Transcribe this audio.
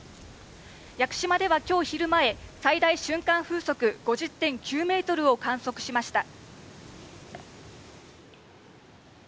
屋久島ではきょう昼前、最大瞬間風速５０．９メートルを観測しました。